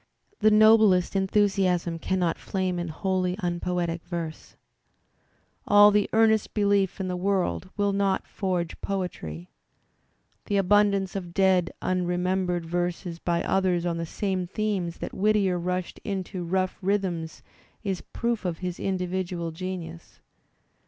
The noblest enthusiasm cannot flame in wholly un poetic verse. All the earnest belief in the world will not forge poetry. The abundance of dead unremembered verses by others on the same themes that Whittier rushed into rough Digitized by Google WHITTIER 115 rhythms is proof of his individual genius.